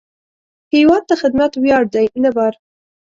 هیواد ته خدمت ویاړ دی، نه بار